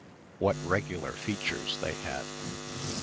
What regular features they had.